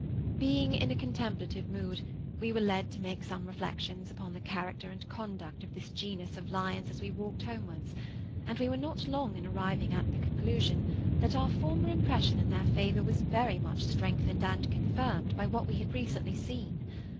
Being in a contemplative mood, we were led to make some reflections upon the character and conduct of this genus of lions as we walked homewards, and we were not long in arriving at the conclusion that our former impression in their favour was very much strengthened and confirmed by what we had recently seen.